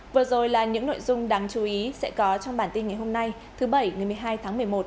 vừa rồi là những nội dung đáng chú ý sẽ có trong bản tin ngày hôm nay thứ bảy ngày một mươi hai tháng một mươi một